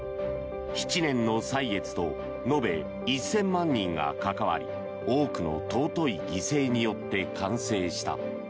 ７年の歳月と延べ１０００万人が関わり多くの尊い犠牲によって完成した。